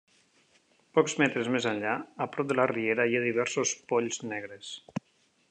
Pocs metres més enllà, a prop de la riera hi ha diversos polls negres.